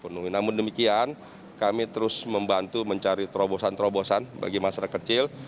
namun demikian kami terus membantu mencari terobosan terobosan bagi masyarakat kecil